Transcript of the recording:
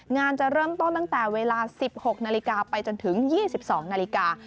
จะเริ่มต้นตั้งแต่เวลา๑๖นาฬิกาไปจนถึง๒๒นาฬิกา